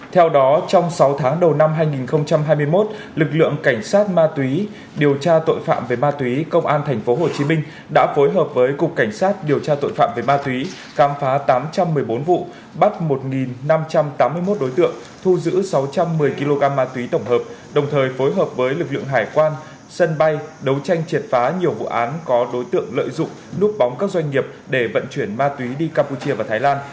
theo đó trong sáu tháng đầu năm hai nghìn hai mươi một lực lượng cảnh sát ma túy điều tra tội phạm về ma túy công an tp hcm đã phối hợp với cục cảnh sát điều tra tội phạm về ma túy khám phá tám trăm một mươi bốn vụ bắt một năm trăm tám mươi một đối tượng thu giữ sáu trăm một mươi kg ma túy tổng hợp đồng thời phối hợp với lực lượng hải quan sân bay đấu tranh triệt phá nhiều vụ án có đối tượng lợi dụng núp bóng các doanh nghiệp để vận chuyển ma túy đi campuchia và thái lan